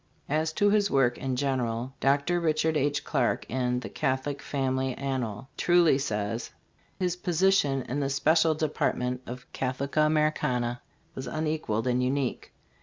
As to bis work in generally, Dr. Richard H. Clark, in the "Catholic THK NOVELIST. 75 Family Annual,"* truly says : "His position in the special department of Catholica Americana was unequalled and unique.